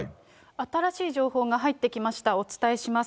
新しい情報が入ってきました、お伝えします。